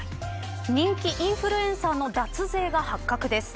人気インフルエンサーの脱税が発覚です。